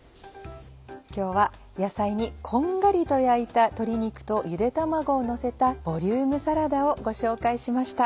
今日は野菜にこんがりと焼いた鶏肉とゆで卵をのせたボリュームサラダをご紹介しました。